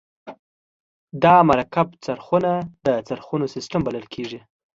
دا مرکب څرخونه د څرخونو سیستم بلل کیږي.